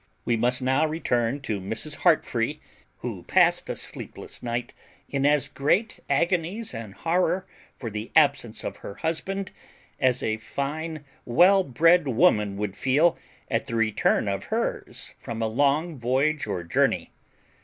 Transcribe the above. We must now return to Mrs. Heartfree, who past a sleepless night in as great agonies and horror for the absence of her husband as a fine well bred woman would feel at the return of hers from a long voyage or journey.